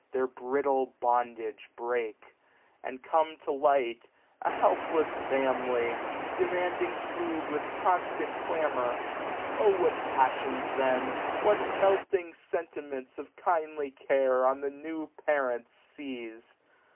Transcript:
Their brittle bondage break; and come to light, A helpless family, demanding food 670 With constant clamour : O what passions then. What melting sentiments of kindly care. On the new parents seize